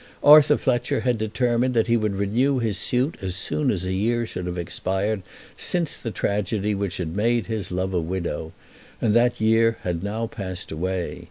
Arthur Fletcher had determined that he would renew his suit as soon as a year should have expired since the tragedy which had made his love a widow, and that year had now passed away.